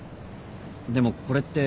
でもこれって。